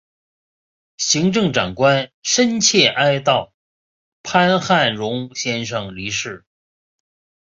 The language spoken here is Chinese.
行政长官深切哀悼潘汉荣先生离世